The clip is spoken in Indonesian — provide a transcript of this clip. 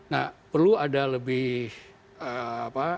nah perlu ada lebih apa